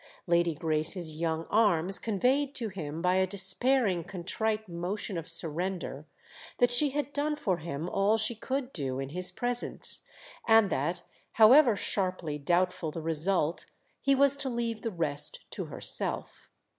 Lady Grace's young arms conveyed to him by a despairing contrite motion of surrender that she had done for him all she could do in his presence and that, however sharply doubtful the result, he was to leave the rest to herself.